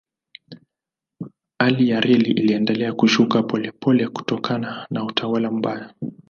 Hali ya reli iliendelea kushuka polepole kutokana na utawala mbaya.